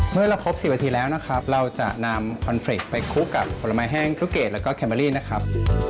เมื่อเราครบ๑๐นาทีแล้วนะครับเราจะนำคอนเฟรกต์ไปคลุกกับผลไม้แห้งลูกเกดแล้วก็แคมเบอรี่นะครับ